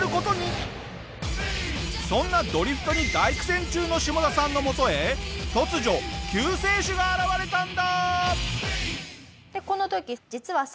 そんなドリフトに大苦戦中のシモダさんのもとへ突如救世主が現れたんだ！